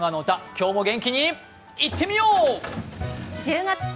今日も元気にいってみよう。